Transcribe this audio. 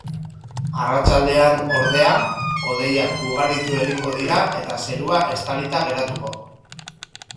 Arratsaldean, ordea, hodeiak ugaritu egingo dira eta zerua estalita geratuko.